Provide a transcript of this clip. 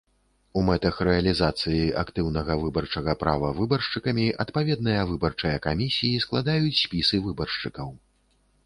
У мэтах рэалізацыі актыўнага выбарчага права выбаршчыкамі адпаведныя выбарчыя камісіі складаюць спісы выбаршчыкаў.